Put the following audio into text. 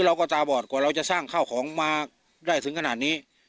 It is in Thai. เราก็ตาบอดกว่าเราจะสร้างข้าวของมาได้ถึงขนาดนี้